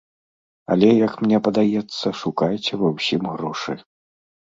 Але, як мне падаецца, шукайце ва ўсім грошы.